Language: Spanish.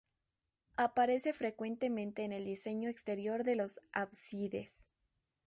Aparece frecuentemente en el diseño exterior de los ábsides.